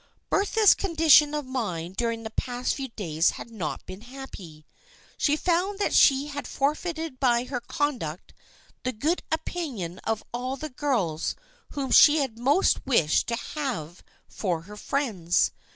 Bertha's condition of mind during the past few days had not been happy. She found that she had forfeited by her conduct the good opinion of all the girls whom she had most wished to have for her friends.